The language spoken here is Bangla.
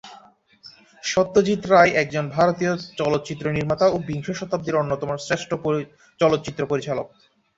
সত্যজিৎ রায় একজন ভারতীয় চলচ্চিত্র নির্মাতা ও বিংশ শতাব্দীর অন্যতম শ্রেষ্ঠ চলচ্চিত্র পরিচালক।